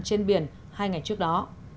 trên biển hai ngày trước đó